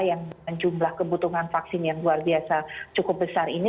yang dengan jumlah kebutuhan vaksin yang luar biasa cukup besar ini